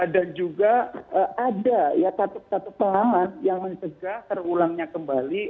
dan juga ada satu satu pelanggan yang mencegah terulangnya kembali